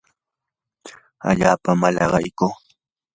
allaapami malaqaykuu.